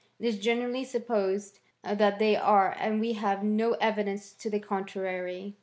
It is generally supposed that they are, and we have no evidence to the contrary.